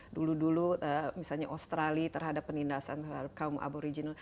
dulu dulu misalnya australia terhadap penindasan terhadap kaum aboriginal